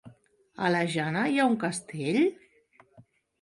A la Jana hi ha un castell?